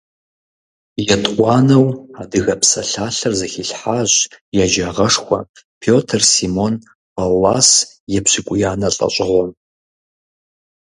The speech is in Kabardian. ЕтӀуанэу адыгэ псалъалъэр зэхилъхьащ еджагъэшхуэ Пётр Симон Паллас епщыкӀуиянэ лӀэщӀыгъуэм.